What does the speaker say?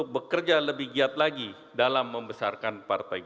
kami berharap bahwa kekuatan politik ini akan menjadi kekuatan yang matang